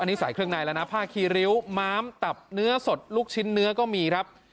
อันนี้ใส่เครื่องในแล้วนะผ้าคีริ้วม้ามตับเนื้อสดลูกชิ้นเนื้อก็มีครับ